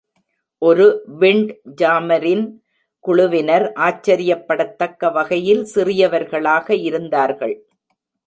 ஒரு விண்ட்ஜாமரின் குழுவினர் ஆச்சரியப்படத்தக்க வகையில் சிறியவர்களாக இருந்தார்கள்.